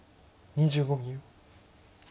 ２５秒。